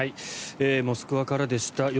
モスクワからでした。